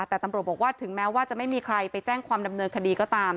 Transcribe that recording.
แต่ตำรวจบอกว่าถึงแม้ว่าจะไม่มีใครไปแจ้งความดำเนินคดีก็ตาม